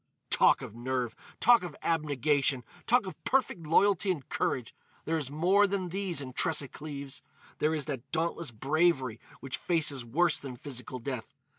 "Talk of nerve! Talk of abnegation! Talk of perfect loyalty and courage! There is more than these in Tressa Cleves. There is that dauntless bravery which faces worse than physical death.